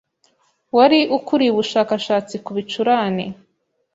wari ukuriye ubushakashatsi ku bicurane